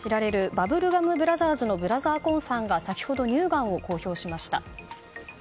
バブルガム・ブラザーズのブラザー・コーンさんが先ほど乳がんを公表しました。